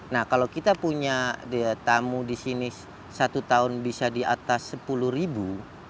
nah kalau kita punya tamu di sini satu tahun bisa di atas sepuluh ribu